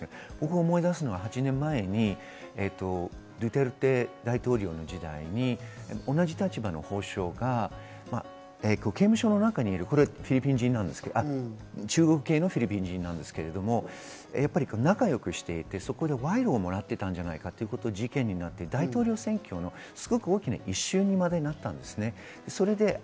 思い出すのは、８年前のドゥテルテ大統領の時代に同じ立場の法相が刑務所の中にいるフィリピン人なんですけど、中国系フィリピン人なんですけど、仲良くしていて、そこで賄賂をもらってたんじゃないかということが事件になって、大統領選挙、すごく大きなイシューにまでなったんです。